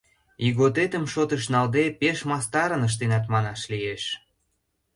— Ийготетым шотыш налде, пеш мастарын ыштенат манаш лиеш.